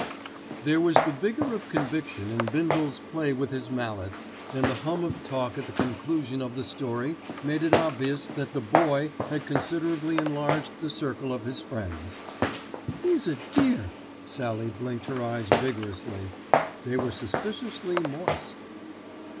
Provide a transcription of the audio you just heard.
There was the vigour of conviction in Bindle's play with his mallet, and the hum of talk at the conclusion of the story made it obvious that the Boy had considerably enlarged the circle of his friends. "He's a dear!" Sallie blinked her eyes vigorously. They were suspiciously moist.